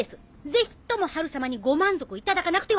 ぜひともハル様にご満足いただかなくては！